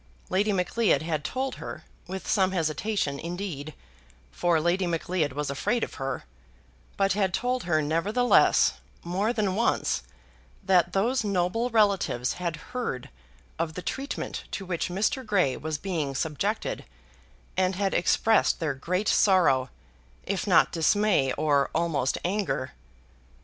Lady Macleod had told her, with some hesitation, indeed, for Lady Macleod was afraid of her, but had told her, nevertheless, more than once, that those noble relatives had heard of the treatment to which Mr. Grey was being subjected, and had expressed their great sorrow, if not dismay or almost anger.